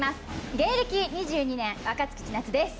芸歴２２年、若槻千夏です。